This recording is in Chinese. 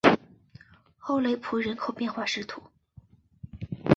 沃雷普人口变化图示